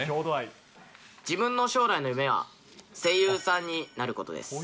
自分の将来の夢は、声優さんになることです。